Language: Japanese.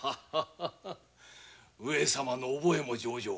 上様の覚えも上々。